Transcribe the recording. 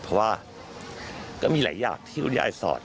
เพราะว่าก็มีหลายอย่างที่คุณยายสอน